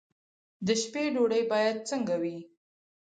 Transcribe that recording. د شپې ډوډۍ باید څنګه وي؟